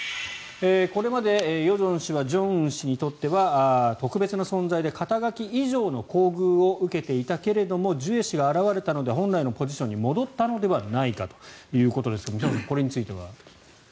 これまで与正氏は正恩氏にとっては特別な存在で、肩書以上の厚遇を受けていたけれどもジュエ氏が現れたので本来のポジションに戻ったのではないかということですが辺さん、これについては。